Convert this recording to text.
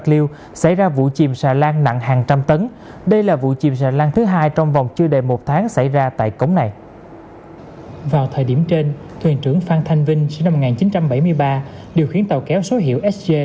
lựa chọn một địa điểm thứ hai